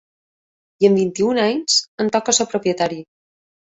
I amb vint-i-un anys em toca ser propietari.